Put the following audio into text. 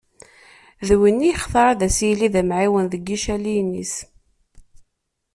D win i yextar ad s-yili d amεiwen deg icaliyen-is.